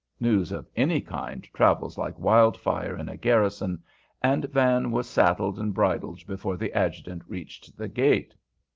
News of any kind travels like wildfire in a garrison, and Van was saddled and bridled before the adjutant reached the gate.